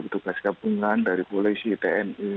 petugas gabungan dari polisi tni